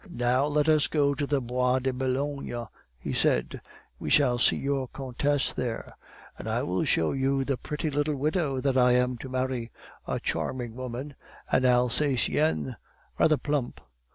Now let us go to the Bois de Boulogne,' he said; 'we shall see your countess there, and I will show you the pretty little widow that I am to marry a charming woman, an Alsacienne, rather plump.